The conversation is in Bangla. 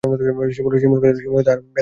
শিমুলঘাটায় তাঁহার বেহান দীন অবস্থায় থাকেন।